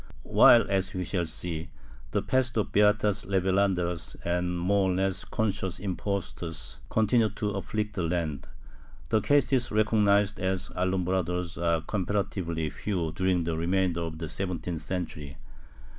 While, as we shall see, the pest of heatas revelanderas and more or less conscious impostors continued to afflict the land, the cases recognized as Alumbrados are comparatively few during the remainder of the seventeenth century.